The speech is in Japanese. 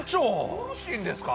よろしいんですか？